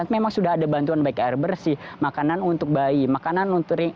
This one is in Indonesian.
memang sudah ada bantuan baik air bersih makanan untuk bayi makanan untuk